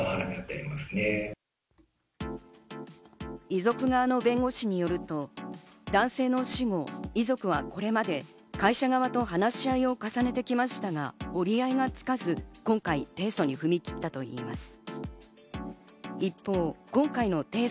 遺族側の弁護士によると、男性の死後、遺族はこれまで会社と話し合いを重ねてきましたが折り合いがつかず、今回、提訴に踏み切ったといいます。